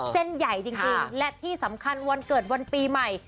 เส้นใหญ่จริงและที่สำคัญวันเกิดวันปีใหม่